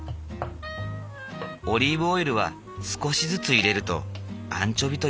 オリーブオイルは少しずつ入れるとアンチョビとよく混ざる。